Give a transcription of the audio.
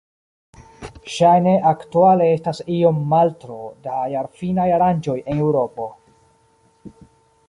Ŝajne aktuale estas iom maltro da jarfinaj aranĝoj en Eŭropo.